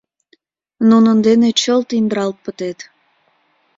Нунын дене чылт индыралт пытет».